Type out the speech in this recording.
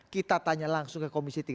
kita tanya langsung ke komisi tiga